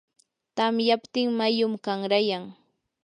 tamyaptin mayum qanrayan.